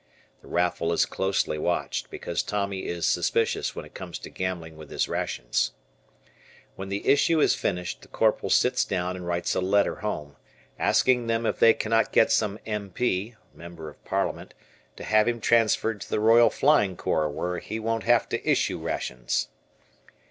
The raffle is closely watched, because Tommy is suspicious when it comes to gambling with his rations. When the issue is finished, the Corporal sits down and writes a letter home, asking them if they cannot get some M.P. (Member of Parliament) to have him transferred to the Royal Flying Corps where he won't have to issue rations.